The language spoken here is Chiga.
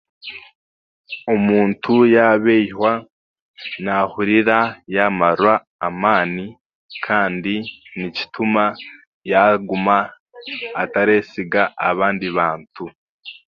Omuntu yaabeihwa naahurira yaamarwa amaani kandi nikituma yaaguma ataresiga abandi bantu